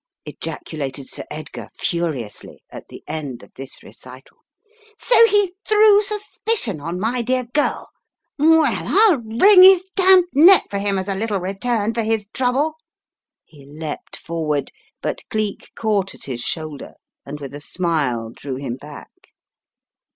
ejaculated Sir Edgar, furi ously, at the end of this recital. "So he threw sus picion on my dear girl. Well, I'll wring his damned neck for him as a little return for his trouble !" He leapt forward, but Cleek caught at his shoulder, and with a smile drew him back.